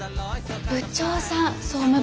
部長さん総務部の。